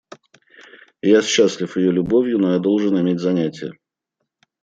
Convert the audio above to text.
Я счастлив ее любовью, но я должен иметь занятия.